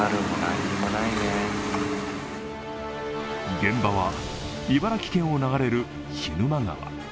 現場は茨城県を流れる涸沼川。